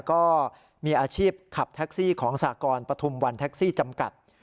ก็มีอาชีพขับแท็กซี่ของสากรปฐุมวันแท็กซี่จำกัด